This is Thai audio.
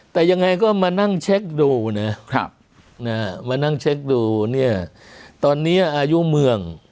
แต่ยังไงก็มานั่งเช็กดูเนี่ยตอนนี้อายุเมือง